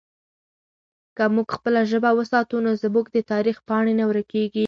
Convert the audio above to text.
که موږ خپله ژبه وساتو نو زموږ د تاریخ پاڼې نه ورکېږي.